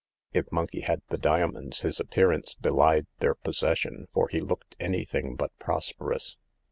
If Monkey had the diamonds, his appearance belied their possession, for he looked anything but prosperous.